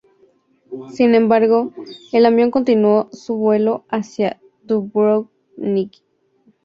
Sin embargo, el avión continuó su vuelo hacia Dubrovnik.